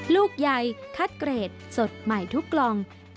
ลูกใหญ่คัดเกรดสดใหม่ทุกกล่อง